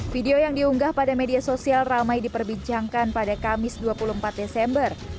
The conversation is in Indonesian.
video yang diunggah pada media sosial ramai diperbincangkan pada kamis dua puluh empat desember